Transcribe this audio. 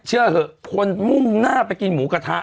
เชื่อเถอะคนมุ่งหน้าไปกินหมูกระทะ